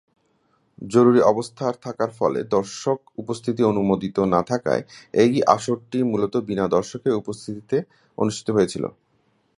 জরুরী অবস্থার থাকার ফলে দর্শক উপস্থিতি অনুমোদিত না থাকায় এই আসরটি মূলত বিনা দর্শকের উপস্থিতিতে অনুষ্ঠিত হয়েছে।